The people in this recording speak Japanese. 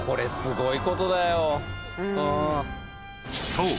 ［そう！